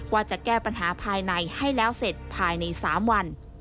ว่าจะแก้ปัญหาภายในให้แล้วเสร็จภายใน๓วัน